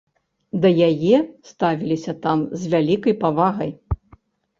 Да яе ставіліся там з вялікай павагай.